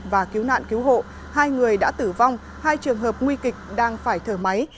và cứu nạn cứu hộ hai người đã tử vong hai trường hợp nguy kịch đang phải thở máy